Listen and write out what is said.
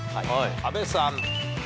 阿部さん。